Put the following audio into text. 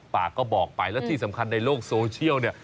ปากก็บอกไปแล้วที่สำคัญในโลกโซเชียลเนี่ย